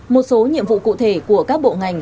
một số nhiệm vụ cụ thể của các bộ ngành